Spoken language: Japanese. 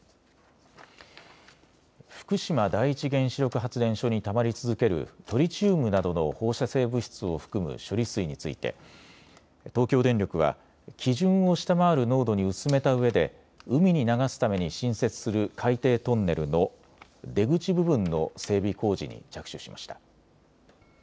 福島第一原子力発電所にたまり続けるトリチウムなどの放射性物質を含む処理水について東京電力は基準を下回る濃度に薄めたうえで海に流すために新設する海底トンネルの出口部分の整備工事に着手しました。